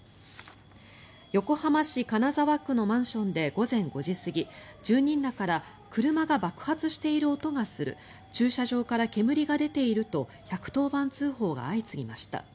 横浜市金沢区のマンションで午前５時過ぎ住人らから車が爆発している音がする駐車場から煙が出ていると１１０番通報が相次ぎました。